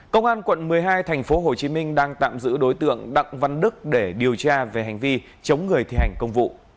công an quận một mươi hai tp hcm đang tạm giữ đối tượng đặng văn đức để điều tra về hành vi chống người thi hành công vụ